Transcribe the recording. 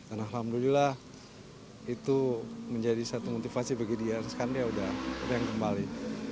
alhamdulillah itu menjadi satu motivasi bagi dia sekarang dia udah yang kembali